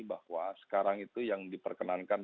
bahwa sekarang itu yang diperkenankan